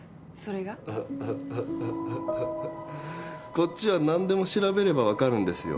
こっちは何でも調べれば分かるんですよ。